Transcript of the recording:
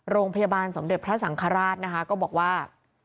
โรงพยาบาลสมเด็จพระสังฆราชนะคะก็บอกว่า